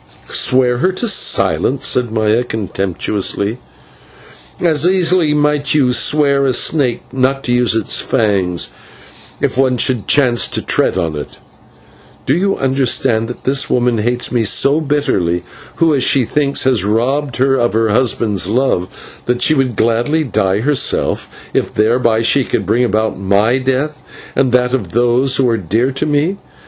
"Swear her to silence!" said Maya contemptuously, "as easily might you swear a snake not to use its fangs, if one should chance to tread on it. Do you not understand that this woman hates me bitterly, who she thinks has robbed her of her husband's love, that she would gladly die herself, if thereby she could bring about my death and that of those who are dear to me.